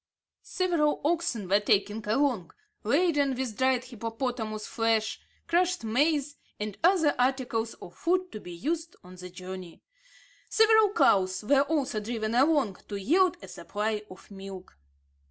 Several oxen were taken along, laden with dried hippopotamus flesh, crushed maize, and other articles of food to be used on the journey. Several cows were also driven along to yield a supply of milk.